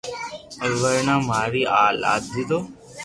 ورنا ماري دآئيو